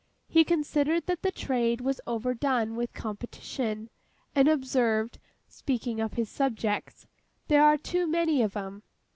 He considered that the trade was overdone with competition, and observed speaking of his subjects, 'There are too many of 'em.